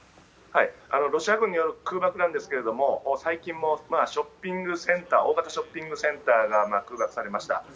ロシア軍による空爆なんですけれども、最近もショッピングセンター、大型ショッピングセンターが空爆されました。